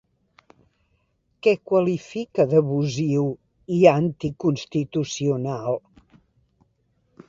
Què qualifica d'abusiu i anticonstitucional?